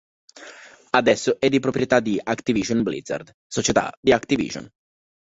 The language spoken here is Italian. Adesso è di proprietà di Activision Blizzard, società di Activision.